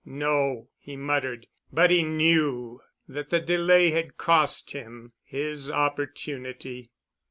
"No," he muttered, but he knew that the delay had cost him his opportunity.